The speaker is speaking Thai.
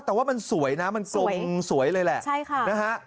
แต่ว่ามันสวยนะมันกลมสวยเลยแหละใช่ค่ะนะฮะ